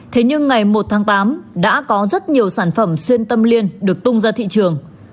thế nhưng ngày một tháng tám đã có rất nhiều sản phẩm xuyên tâm liên được tung ra thị trường